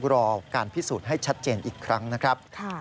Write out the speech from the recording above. รอการพิสูจน์ให้ชัดเจนอีกครั้งนะครับ